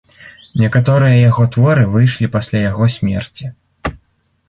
Некаторыя яго творы выйшлі пасля яго смерці.